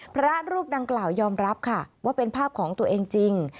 พระรูปดังกล่าวยอมรับค่ะว่าเป็นภาพของตัวเองจริง